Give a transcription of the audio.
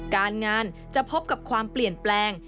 การงานจะพบกับความเปลี่ยนแปลง